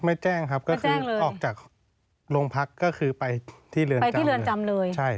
ไม่แจ้งครับก็คือออกจากโรงพักก็คือไปที่เรือนจำเลย